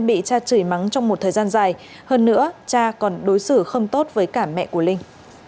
bị cha chửi mắng trong một thời gian dài hơn nữa cha còn đối xử không tốt với cả mẹ của linh